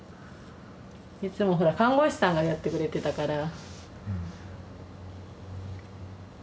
いつもほら看護師さんがやってくれてたから。